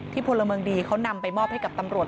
พลเมืองดีเขานำไปมอบให้กับตำรวจ